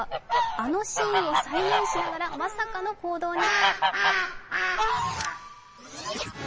あのシーンを再現しながら、まさかの行動に。